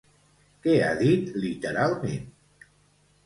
Què ha dit, literalment?